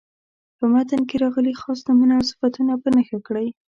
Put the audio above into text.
په متن کې راغلي خاص نومونه او صفتونه په نښه کړئ.